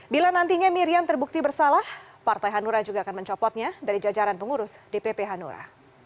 bila nantinya miriam terbukti bersalah partai hanura juga akan mencopotnya dari jajaran pengurus dpp hanura